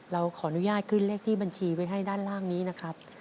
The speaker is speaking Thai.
เราขออนุญาตขึ้นเลขที่บัญชีไว้ให้ด้านล่างนี้นะครับ